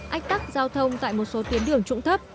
ách tắc giao thông tại một số tuyến đường trụng thấp